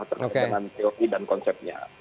terkait dengan top dan konsepnya